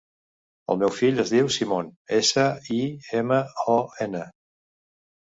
El meu fill es diu Simon: essa, i, ema, o, ena.